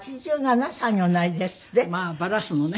まあバラすのね。